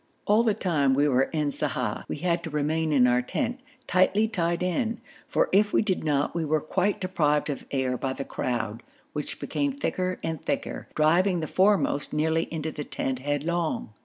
All the time we were in Sa'ah we had to remain in our tent, tightly tied in, for if we did not we were quite deprived of air by the crowd, which became thicker and thicker, driving the foremost nearly into the tent headlong.